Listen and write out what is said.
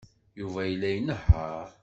Yuba yella inehheṛ.